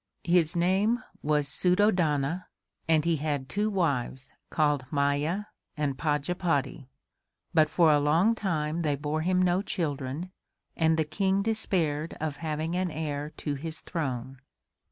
His name was Suddhodana and he had two wives called Maya and Pajapati; but for a long time they bore him no children, and the King despaired of having an heir to his throne.